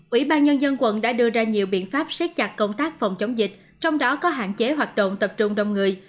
ủy ban nhân dân quận đã đưa ra nhiều biện pháp xét chặt công tác phòng chống dịch trong đó có hạn chế hoạt động tập trung đông người